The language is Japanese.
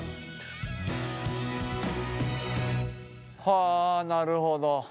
はあなるほど。